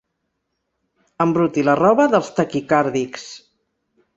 Embruti la roba dels taquicàrdics.